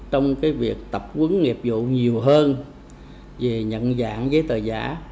trong việc tập quấn nghiệp vụ nhiều hơn về nhận dạng giấy tờ giả